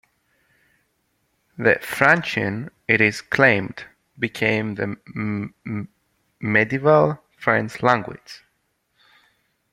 This "Francien", it is claimed, became the Medieval French language.